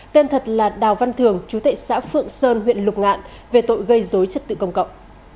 tên thật là đào văn thường chú tệ xã phượng sơn huyện lục ngạn về tội gây dối chất tự công cộng